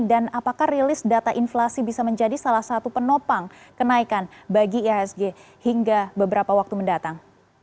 dan apakah rilis data inflasi bisa menjadi salah satu penopang kenaikan bagi ihsg hingga beberapa waktu mendatang